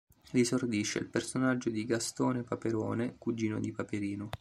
Vi esordisce il personaggio di Gastone Paperone, cugino di Paperino.